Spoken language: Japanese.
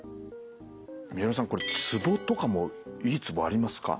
三輪さんこれツボとかもいいツボありますか？